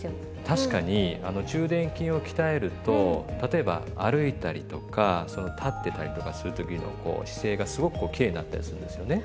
確かに中臀筋を鍛えると例えば歩いたりとか立ってたりとかする時のこう姿勢がすごくこうきれいになったりするんですよね。